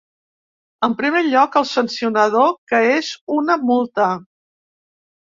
En primer lloc, el sancionador, que és una multa.